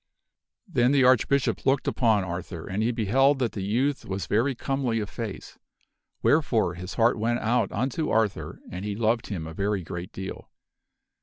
Then the Archbishop looked upon Arthur and he beheld that the youth was very comely of face, wherefore his heart went out unto Arthur and he loved him a very great deal.